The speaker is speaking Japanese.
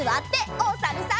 おさるさん。